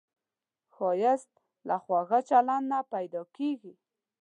ښایست له خواږه چلند نه پیدا کېږي